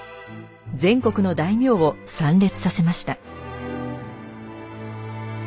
全国の大名を参列させました。